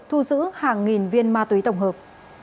thu giữ hàng nghìn viên ma túy tổng hợp